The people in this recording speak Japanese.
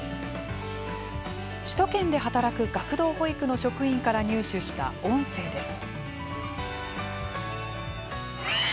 首都圏で働く学童保育の職員から入手した音声です。